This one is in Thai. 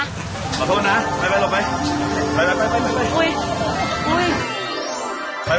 ขอโทษนะไป